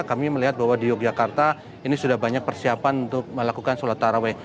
kami melihat bahwa di yogyakarta ini sudah banyak persiapan untuk melakukan sholat taraweh